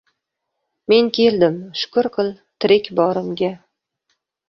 Men keldim, shukr qil tirik borimga…